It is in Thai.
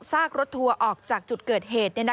กรถทัวร์ออกจากจุดเกิดเหตุ